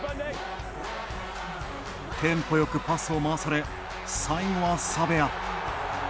テンポよくパスを回され最後は、サベア。